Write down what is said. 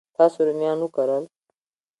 تاسو رومیان وکرل؟